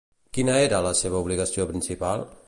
Quina era la seva obligació principal?